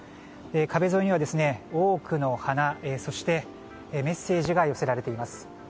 壁沿いには多くの花そして、メッセージが寄せられています。